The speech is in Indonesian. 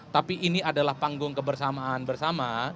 tapi ini adalah panggung kebersamaan bersama